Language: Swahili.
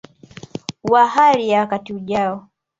wa hali ya wakati ujao